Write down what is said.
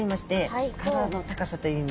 体の高さという意味で。